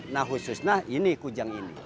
nah khususnya ini kujang ini